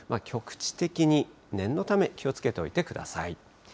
局地的に念のため、気をつけておいてください。